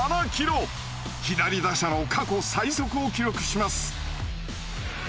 左打者の過去最速を記録します。